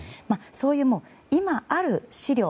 そういう今ある資料